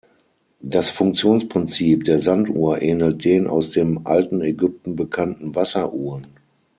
Das Funktionsprinzip der Sanduhr ähnelt den aus dem alten Ägypten bekannten Wasseruhren.